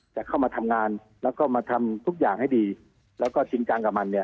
จะเข้ามาทำงานแล้วก็มาทำทุกอย่างให้ดีแล้วก็ชินจังกับมันเนี่ย